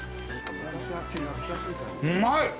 うまい！